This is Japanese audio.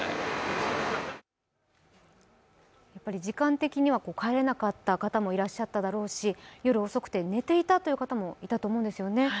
時間的には帰れなかった方もいらっしゃっただろうし夜遅くて、寝ていたという方もいたと思うんですよね。